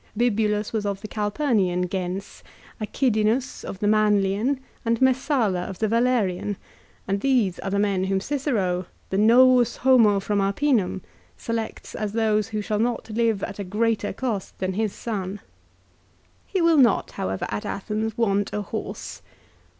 Bibulus was of the Calpurnian "gens," Acidinus of the Manlian, and Messala of the Valerian, and these are the men whom Cicero, the " Novus Homo." from Arpinum, selects as those who shall not live at a greater cost than his son. 1 " He will not, however, at Athens want a horse."